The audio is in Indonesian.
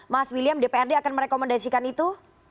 mas william dprd akan merekomendasikan itu